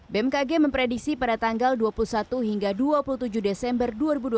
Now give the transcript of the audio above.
bmkg memprediksi pada tanggal dua puluh satu hingga dua puluh tujuh desember dua ribu dua puluh